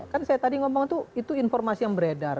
kan saya tadi ngomong tuh itu informasi yang beredar